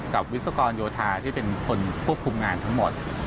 วิศกรโยธาที่เป็นคนควบคุมงานทั้งหมด